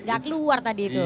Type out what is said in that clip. tidak keluar tadi itu